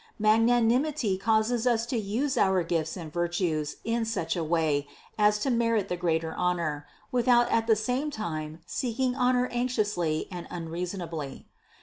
Magnanimity causes us to use our gifts and virtues in such a way as to merit the greater honor, with out at the same time seeking honor anxiously and un reasonably.